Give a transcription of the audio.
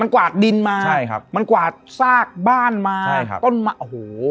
มันกวาดดินมามันกวาดซากบ้านมาต้นมะโอ้โห